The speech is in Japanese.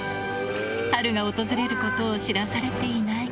波瑠が訪れることを知らされていない。